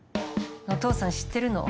お父さん知ってるの？